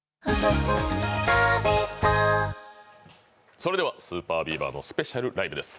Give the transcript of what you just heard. それではＳＵＰＥＲＢＥＡＶＥＲのスペシャルライブです。